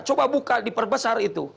coba buka di perbesar itu